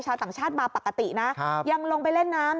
ชาวต่างชาติมาปกตินะยังลงไปเล่นน้ำ